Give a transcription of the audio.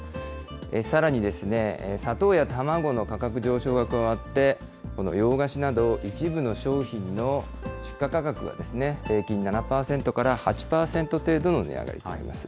さらに砂糖や卵の価格上昇が加わって、この洋菓子など、一部の商品の出荷価格が平均７％から８％程度の値上がりとなります。